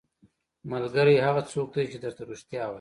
ملګری هغه څوک دی چې درته رښتیا وايي.